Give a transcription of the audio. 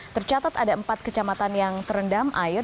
tercatat ada empat kecamatan yang terendam air